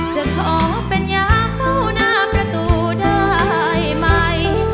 จะขอเป็นยามเฝ้าหน้าประตูได้ไหม